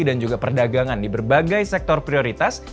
dan juga perdagangan di berbagai sektor prioritas